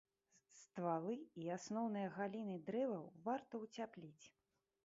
Ствалы і асноўныя галіны дрэваў варта ўцяпліць.